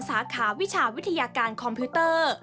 สาขาวิชาวิทยาการคอมพิวเตอร์